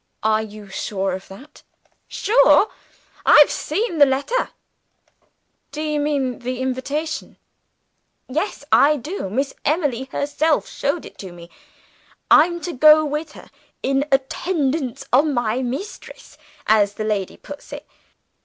"Are you sure of that?" "Sure? I've seen the letter." "Do you mean the letter of invitation?" "Yes I do. Miss Emily herself showed it to me. I'm to go with her 'in attendance on my mistress,' as the lady puts it.